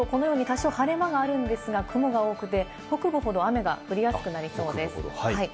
関東、きょうこのように多少、晴れ間があるんですが雲が多くて、北部ほど雨が降りやすくなりそうです。